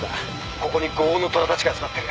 ここに「五黄のトラ」たちが集まってる。